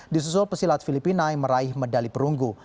di susul pesilat filipina yang meraih medali perunggu